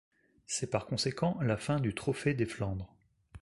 C'est par conséquent la fin du Trophée des Flandres.